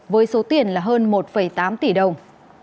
với số tiền là hơn một tám tỷ đồng